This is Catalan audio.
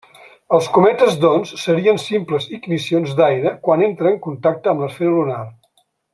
Els cometes, doncs, serien simples ignicions d'aire quan entra en contacte amb l'esfera lunar.